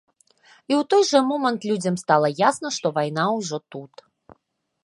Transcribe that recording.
І ў той жа момант людзям стала ясна, што вайна ўжо тут.